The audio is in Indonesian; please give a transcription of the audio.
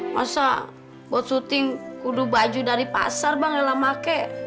masa buat syuting kudu baju dari pasar bang ela maket